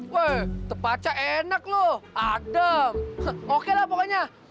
woy tepaca enak lo adem oke lah pokoknya